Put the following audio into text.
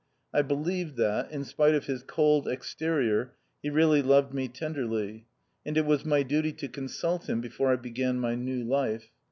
I believed that, in spite of his cold exterior, he really loved me tenderly ; and it w r as my duty to consult him before I began my new life.